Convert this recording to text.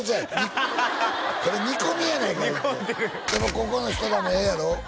ここの人らもええやろ？